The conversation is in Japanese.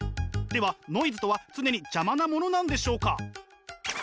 ではノイズとは常に邪魔なものなんでしょうか？